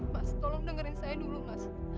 mas tolong dengerin saya dulu mas